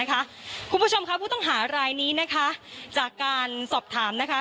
คุณผู้ชมค่ะผู้ต้องหารายนี้นะคะจากการสอบถามนะคะ